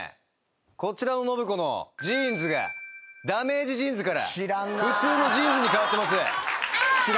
こちらの信子のジーンズがダメージジーンズから普通のジーンズに変わってます。